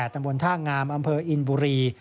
ตำบลท่างามอำเภออินบุรี